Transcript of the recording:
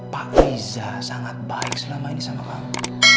pak reza sangat baik selama ini sama kamu